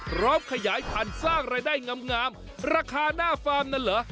พร้อมขยายพันธุ์สร้างรายได้งามราคาหน้าฟาร์มนั้นเหรอ